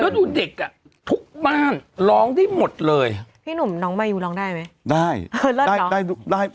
แล้วดูเด็กอ่ะทุกบ้านร้องได้หมดเลยพี่หนุ่มน้องมายูร้องได้ไหมได้ได้